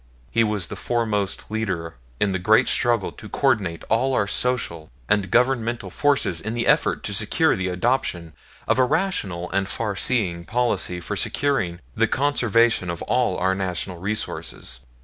He was the foremost leader in the great struggle to coordinate all our social and governmental forces in the effort to secure the adoption of a rational and farseeing policy for securing the conservation of all our national resources.